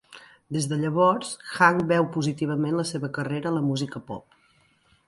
Des de llavors, Hung veu positivament la seva carrera a la música pop.